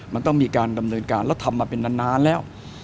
แล้วทำมาเป็นนานแล้ว